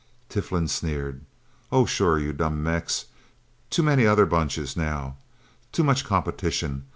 Tiflin sneered. "Oh, sure, you dumb Mex. Too many other Bunches, now. Too much competition.